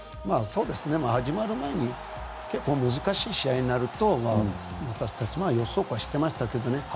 始まる前に結構難しい試合になると私たちは予想していましたけどね。